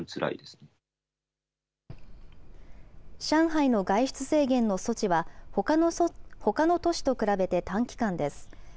上海の外出制限の措置は、ほかの都市と比べて短期間です。